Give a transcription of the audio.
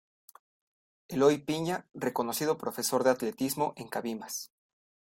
Eloy Piña, reconocido profesor de atletismo en Cabimas.